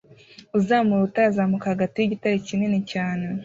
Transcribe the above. Uzamuka urutare azamuka hagati yigitare kinini cyane